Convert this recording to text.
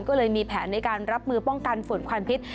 ก็เลยมีแผนในการรับมือป้องกันฝุ่นควันพิษ